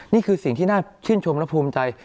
นี่คือสิ่งที่น่าชื่นชมและภูมิใจ